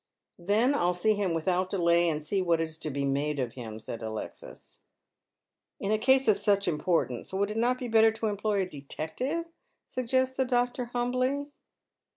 " Then I'll see him without delay, and see what is to be made of him," says Alexis. " In a case of such importance would it not be better to employ a detective ?" suggests the doctor, humbly.